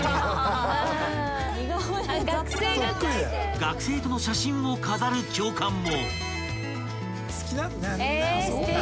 ［学生との写真を飾る教官も］